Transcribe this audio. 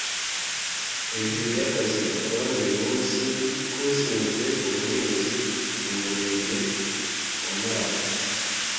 Hejuru y’akazi akora buri munsi k’ushinzwe ubuhinzi mu murenge wa Murama